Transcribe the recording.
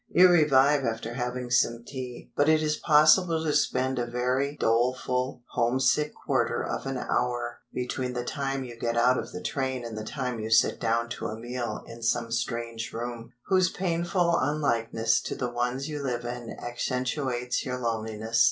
You revive after having some tea, but it is possible to spend a very doleful, homesick quarter of an hour between the time you get out of the train and the time you sit down to a meal in some strange room, whose painful unlikeness to the ones you live in accentuates your loneliness.